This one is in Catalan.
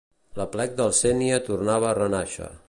L’Aplec del Sénia torna a renàixer.